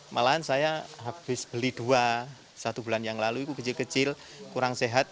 malahan saya habis beli dua satu bulan yang lalu itu kecil kecil kurang sehat